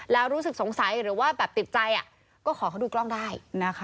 แล้วรู้สึกสงสัยหรือว่าแบบติดใจก็ขอเขาดูกล้องได้นะคะ